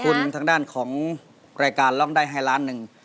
คุณทางด้านของรายการร้องได้ให้ล้านหนึ่ง